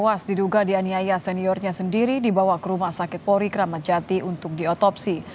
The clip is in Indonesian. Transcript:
tewas diduga di aniaya seniornya sendiri dibawa ke rumah sakit pori keramat jati untuk diotopsi